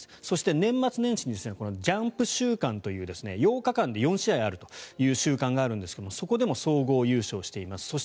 そして、年末年始にジャンプ週間という８日間で４試合あるという週間があるんですがそこでも総合優勝しています。